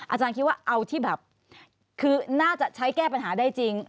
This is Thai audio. อาจารย์คิดว่าเอาที่แบบคือน่าจะใช้แก้ปัญหาได้จริง